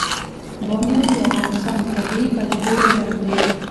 بامیان د افغانستان د طبیعي پدیدو یو رنګ دی.